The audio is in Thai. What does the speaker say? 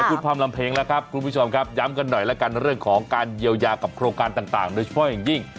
พูดพร่ำลำเพลงแล้วครับคุณผู้ชมครับย้ำกันหน่อยแล้วกันเรื่องของการเยียวยากับโครงการต่างโดยเฉพาะอย่างยิ่ง